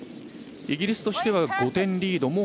イギリスとしては５点リード。